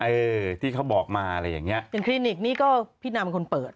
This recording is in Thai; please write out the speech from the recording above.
เออที่เขาบอกมาอะไรอย่างเงี้ยอย่างคลินิกนี่ก็พี่นามเป็นคนเปิด